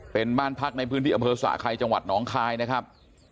เป็นบ้านพักในพื้นที่อำเภอสะไคจังหวัดน้องคายนะครับ